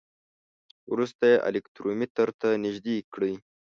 وروسته یې الکترومتر ته نژدې کړئ.